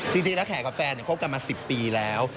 จริงแล้วแขกกับแฟนคบกันมา๑๐ปีแล้ว